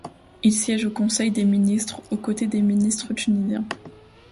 Ils siègent au Conseil des ministres aux côtés des ministres tunisiens.